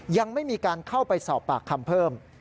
ยังไม่มีการเข้าไปสอบปากคำเพิ่ม